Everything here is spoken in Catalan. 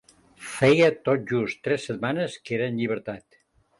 Feia tot just tres setmanes que era en llibertat.